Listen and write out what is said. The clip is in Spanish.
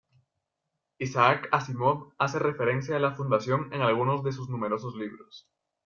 Isaac Asimov hace referencia a la Fundación en algunos de sus numerosos libros.